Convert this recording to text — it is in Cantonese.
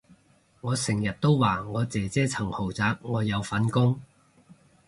我成日都話我姐姐層豪宅我有份供